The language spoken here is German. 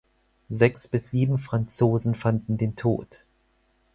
Sechs bis sieben Franzosen fanden den Tod.